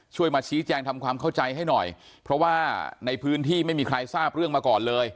มาชี้แจงทำความเข้าใจให้หน่อยเพราะว่าในพื้นที่ไม่มีใครทราบเรื่องมาก่อนเลย